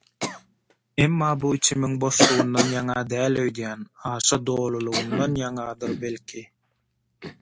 Emma bu, içimiň boşlugyndan ýaňa däl öýdýän, aşa dolulygyndan ýaňadyr belki.